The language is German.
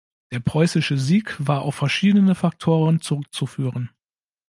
Der preußische Sieg war auf verschiedene Faktoren zurückzuführen.